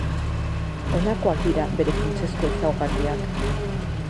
Honakoak dira bere funtsezko ezaugarriak.